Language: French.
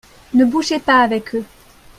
Ne bougez pas avec eux.